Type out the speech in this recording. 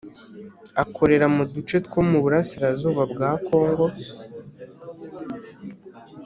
Akorera mu duce two mu burasirazuba bwa Kongo